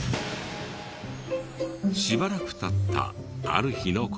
しばらく経ったある日の事。